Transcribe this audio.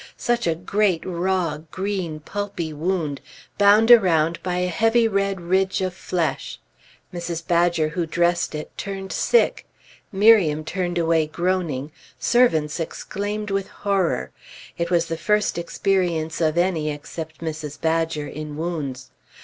Such a great raw, green, pulpy wound, bound around by a heavy red ridge of flesh! Mrs. Badger, who dressed it, turned sick; Miriam turned away groaning; servants exclaimed with horror; it was the first experience of any, except Mrs. Badger, in wounds.